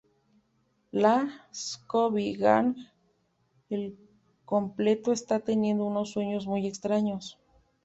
La "Scooby Gang" al completo está teniendo unos sueños muy extraños.